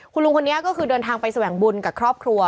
คุณลุงคนนี้ก็คือเดินทางไปแสวงบุญกับครอบครัว